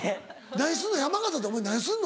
何すんの山形でお前何すんの？